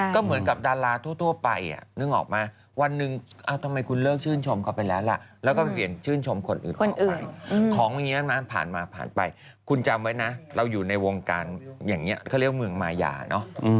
ก็เหมือนกับดาราทั่วไปนึกออกมาวันหนึ่งทำไมคุณเลิกชื่นชมเขาไปแล้วล่ะแล้วก็เปลี่ยนชื่นชมคนอื่นคนอื่นของอย่างนี้นะผ่านมาผ่านไปคุณจำไว้นะเราอยู่ในวงการอย่างนี้เขาเรียกว่าเมืองมายาเนอะ